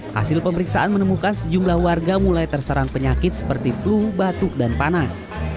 hasil pemeriksaan menemukan sejumlah warga mulai terserang penyakit seperti flu batuk dan panas